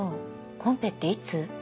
コンペっていつ？